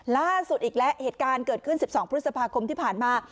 ล่าสุดอีกแล้วเหตุการณ์เกิดขึ้น๑๒พฤษภาคมที่ผ่านมา